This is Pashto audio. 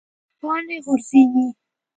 پاڼې غورځیږي